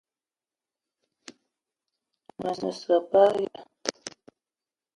Me ne saparia !